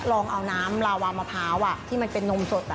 ลองเอาน้ำลาวามะพร้าวที่มันเป็นนมสด